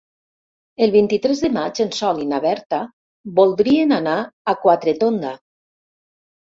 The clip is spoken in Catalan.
El vint-i-tres de maig en Sol i na Berta voldrien anar a Quatretonda.